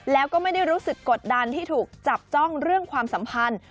แล้วก็ไม่ได้รู้สึกกดดันที่ถูกจับจ้องเรื่องความสัมพันธ์